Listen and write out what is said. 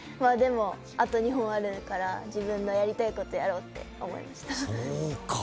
あと２本あるから自分のやりたいことをやろうって思いました。